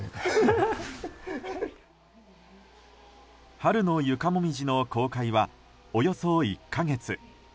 春の床もみじの公開はおよそ１か月。